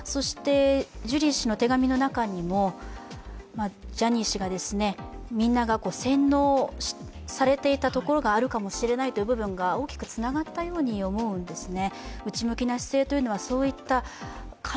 ジュリー氏の手紙の中にも、ジャニー氏がみんなが洗脳されていたところがあるかもしれないという部分が大きくつながったように思うんですね。